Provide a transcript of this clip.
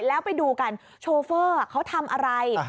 แล้วไปดูกันโชเฟอร์เขาทำอะไร